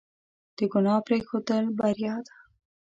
د ګناه پرېښودل بریا ده.